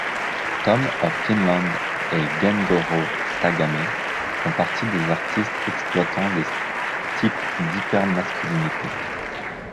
Tom of Finland et Gengoroh Tagame font partie des artistes exploitant les types d'hypermasculinité.